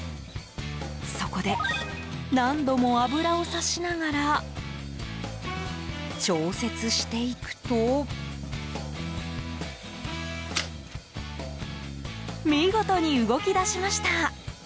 そこで、何度も油を差しながら調節していくと見事に動き出しました。